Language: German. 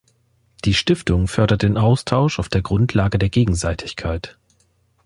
Die Stiftung fördert den Austausch auf der Grundlage der Gegenseitigkeit.